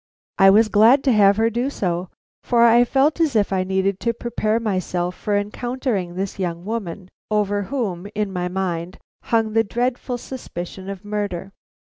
I was glad to have her do so, for I felt as if I needed to prepare myself for encountering this young girl, over whom, in my mind, hung the dreadful suspicion of murder.